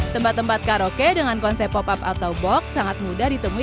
tempat tempat karaoke dengan konsep pop up atau box sangat mudah ditemui